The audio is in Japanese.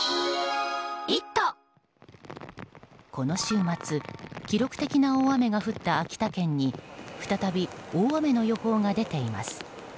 この週末記録的な大雨が降った秋田県に再び大雨の予報が出ています。